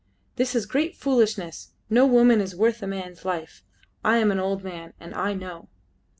"This is great foolishness. No woman is worth a man's life. I am an old man, and I know."